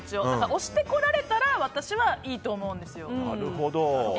押してこられたら私はいいと思うんですよ。